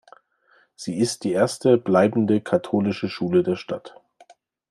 Sie ist die erste bleibende katholische Schule der Stadt.